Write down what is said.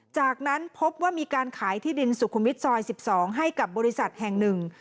จากนั้นพบว่ามีการขายที่ดินสุขุมวิทย์ซอย๑๒ให้กับบริษัทแห่งหนึ่ง